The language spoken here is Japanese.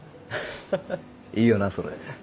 ハハいいよなそれ。